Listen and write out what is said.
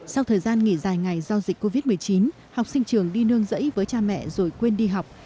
sau thời gian nghỉ dài ngày do dịch covid một mươi chín học sinh trường đi nương rẫy với cha mẹ rồi quên đi học